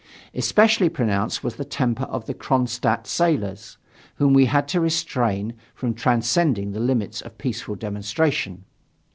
Especially pronounced was the temper of the Kronstadt sailors, whom we had to restrain from transcending the limits of a peaceful demonstration.